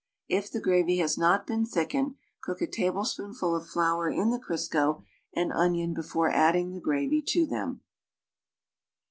If the gravy has not been thickened, cook a tablespoonful of flour in the Crisco and onion before adding the gravy to them.